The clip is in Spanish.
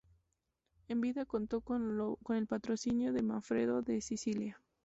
En vida contó con el patrocinio de Manfredo de Sicilia.